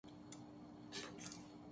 میں بالوں میں کنگھی کرتا ہوں